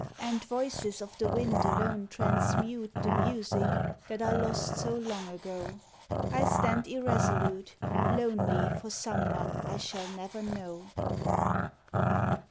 And voices of the wind alone transmute The music that I lost so long ago. I stand irresolute, Lonely for some one I shall never know.